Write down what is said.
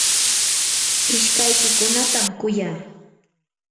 ishkaykiykunatam kuyaa.